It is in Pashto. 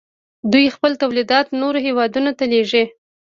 دوی خپل تولیدات نورو هیوادونو ته لیږي.